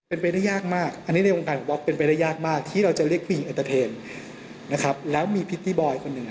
เอาคิดเราจ้างเด็กมาแอดตศาธิณหลัง